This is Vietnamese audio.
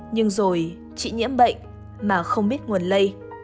nhưng rồi chị nhiễm bệnh mà không biết nguồn lây